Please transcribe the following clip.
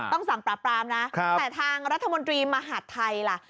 ต้องสั่งปราบปรามนะแต่ทางรัฐมนตรีมหาดไทยล่ะ